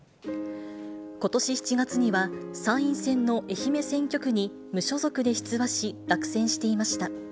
ことし７月には、参院選の愛媛選挙区に無所属で出馬し、落選していました。